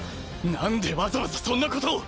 なんでわざわざそんなことを？